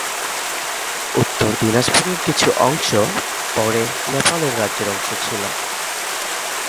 উত্তর দিনাজপুরের কিছু অংশ পরে নেপালের রাজ্যের অংশ ছিল।